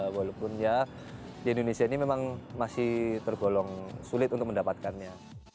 walaupun ya di indonesia ini memang masih tergolong sulit untuk mendapatkannya